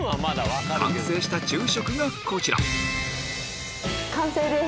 完成した昼食がこちら完成です